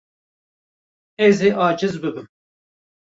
Ez ê aciz bibim.